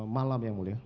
malam yang mulia